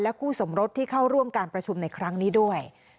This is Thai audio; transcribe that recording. คู่สมรสที่เข้าร่วมการประชุมในครั้งนี้ด้วย